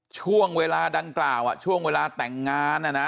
ช่วงเวลาดังกล่าวช่วงเวลาแต่งงาน